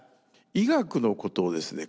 医学のことをですね